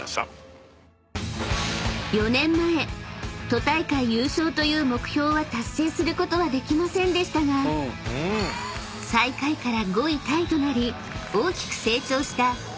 ［４年前都大会優勝という目標は達成することはできませんでしたが最下位から５位タイとなり大きく成長した］